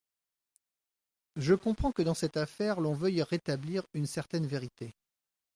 Je comprends que dans cette affaire, l’on veuille rétablir une certaine vérité.